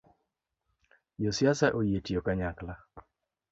Josiasa oyie tiyo kanyakla